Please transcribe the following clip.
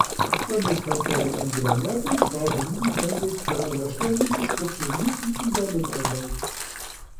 Bundeskanzlerin Angela Merkel sprach in diesem Kontext von einer ständigen strukturierten Zusammenarbeit.